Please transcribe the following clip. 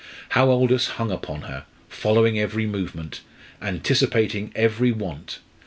How Aldous hung upon her, following every movement, anticipating every want!